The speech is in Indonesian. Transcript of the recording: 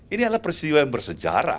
ini adalah peristiwa yang bersejarah